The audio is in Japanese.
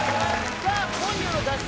さあ今夜の脱出